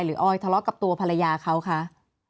ออยทะเลาะกับตัวภรรยาเขาคะ